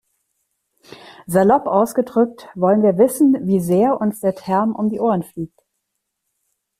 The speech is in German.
Salopp ausgedrückt wollen wir wissen, wie sehr uns der Term um die Ohren fliegt.